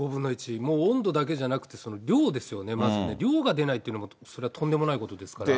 もう温度だけじゃなくて、量ですよね、まずね、量が出ないっていうのも、それはとんでもないことですから。